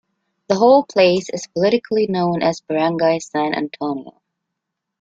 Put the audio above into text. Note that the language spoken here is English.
The whole place is politically known as Barangay San Antonio.